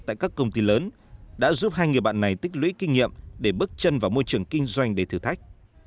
tại các công ty lớn đã giúp hai người bạn này tích lũy kinh nghiệm để bước chân vào môi trường kinh doanh đầy thử thách